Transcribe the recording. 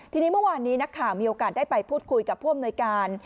ทีนี้เมื่อวานนี้นักข่าวมีโอกาสได้ไปพูดคุยกับผู้อำนวยการ